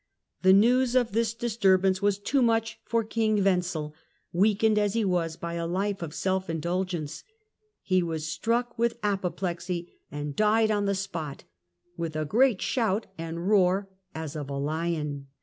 The news of this disturbance was too much for King Wenzel weakened as he was by a life of self indulgence. He was struck with Death of . Wenzel apoplexy and died on the spot " with a great shout and 1419 ' roar as of a lion